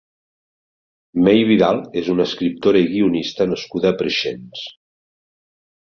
Mei Vidal és una escriptora i guionista nascuda a Preixens.